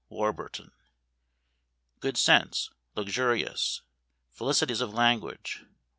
Warburton_. _Good sense. Luxurious felicities of language.